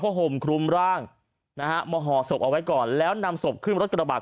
ห่มคลุมร่างนะฮะมาห่อศพเอาไว้ก่อนแล้วนำศพขึ้นรถกระบะ